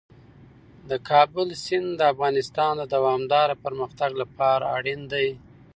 د کابل سیند د افغانستان د دوامداره پرمختګ لپاره اړین دي.